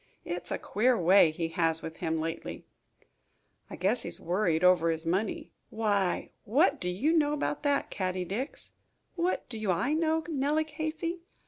It is a queer way he has with him lately." "I guess he is worried over his money." "Why, what do you know about that, Caddie Dix?" "What do I know, Nellie Casey?